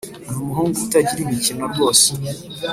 Numuhungu utagira imikino rwose